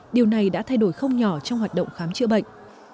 điều này đã thay đổi không nhỏ trong hoạt động khám chữa bệnh